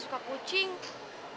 lu mau kemana